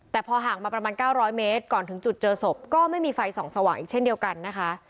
แต่พอห่างมาประมาณ๙๐๐เมตรก่อนถึงจุดเจอศพก็ไม่มีไฟส่องสว่างอีกเช่นเดียวกันนะคะ